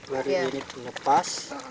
baru ini lepas